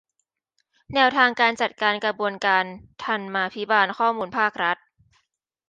แนวทางการจัดการกระบวนการธรรมาภิบาลข้อมูลภาครัฐ